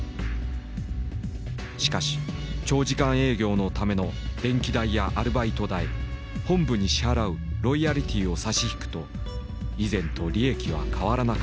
しかし長時間営業のための電気代やアルバイト代本部に支払うロイヤリティーを差し引くと以前と利益は変わらなかった。